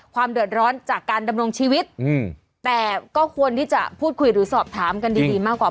ความเดือดร้อนจากการดำรงชีวิตแต่ก็ควรที่จะพูดคุยหรือสอบถามกันดีดีมากกว่า